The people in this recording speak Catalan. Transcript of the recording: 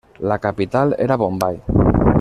La capital era Bombai.